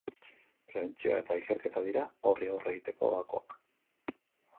Prebentzioa eta ikerketa dira horri aurre egiteko gakoak.